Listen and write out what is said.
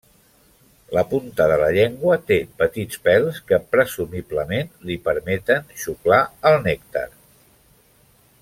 La punta de la llengua té petits pèls, que presumiblement li permeten xuclar el nèctar.